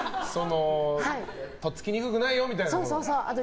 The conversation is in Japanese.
とっつきにくくないよみたいなこと？